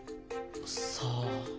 さあ？